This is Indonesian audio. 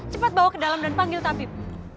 cepat bawa ke dalam dan panggil tabib